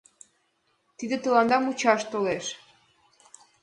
Тиде тыланда мучаш толеш.